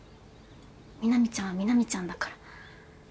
南ちゃんは南ちゃんだから。